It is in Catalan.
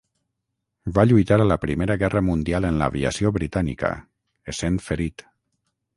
Va lluitar a la Primera Guerra Mundial en l'aviació britànica, essent ferit.